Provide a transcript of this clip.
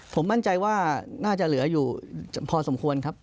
ผมมั่นใจว่าน่าจะเหลืออยู่พอสมควรครับ